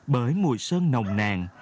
bởi mùi sơn nồng nàng